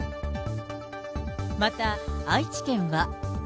また、愛知県は。